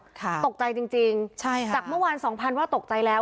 ค่ะใช่ค่ะตกใจจริงจากเมื่อวาน๒๐๐๐ว่าตกใจแล้ว